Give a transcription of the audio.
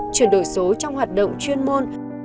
truyền đổi số trong hoạt động chuyên môn